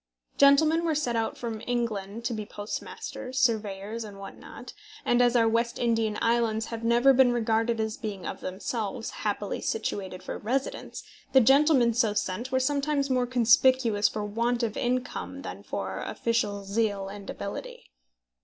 Gentlemen were sent out from England to be postmasters, surveyors, and what not; and as our West Indian islands have never been regarded as being of themselves happily situated for residence, the gentlemen so sent were sometimes more conspicuous for want of income than for official zeal and ability.